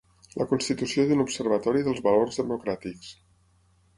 La constitució d'un observatori dels valors democràtics.